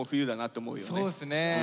そうですね。